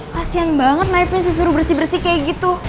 kasian banget naifnya disuruh bersih bersih kayak gitu